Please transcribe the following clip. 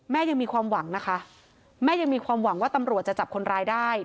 ยังมีความหวังนะคะแม่ยังมีความหวังว่าตำรวจจะจับคนร้ายได้